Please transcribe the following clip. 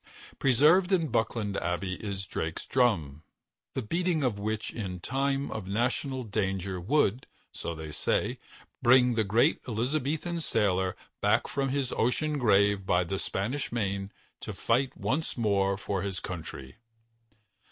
Preserved in Buckland Abbey is Drake's Drum, the beating of which in time of national danger would, so they say, bring the great Elizabethan sailor back from his ocean grave by the Spanish Main to fight once more for his country.